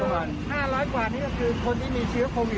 แต่ไม่มีอาการเลยนะครับแต่ไม่มีอาการตอนนี้อยู่ดีกันหมดเลย